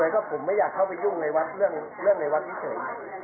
ก็ผมไม่อยากเข้าไปยุ่งในวัดเรื่องในวัดพิเศษนะครับ